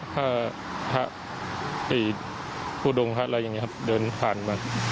ถ้าผู้ดวงอะไรอย่างนี้ครับเดินผ่านกัน